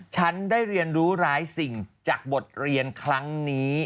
ฉันได้เรียนรู้ร้ายสิ่งจากบทเรียนครั้งนี้